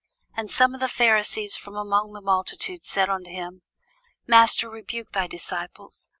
And some of the Pharisees from among the multitude said unto him, Master, rebuke thy disciples.